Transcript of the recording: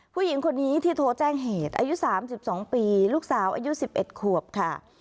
ผู้หญิงคนนี้ที่โทรแจ้งเหตุอายุ๓๒ปีลูกสาวอายุ๑๑ขวบค่ะ